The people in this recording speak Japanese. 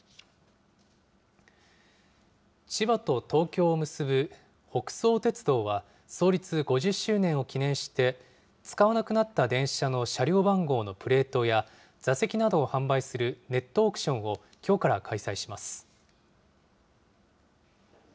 千葉と東京と結ぶ北総鉄道は、創立５０周年を記念して、使わなくなった電車の車両番号のプレートや、座席などを販売するネットオークションをきょうから開催します。